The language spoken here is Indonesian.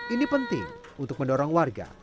ini penting untuk mendorong warga